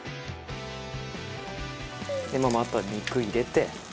あとは肉入れて。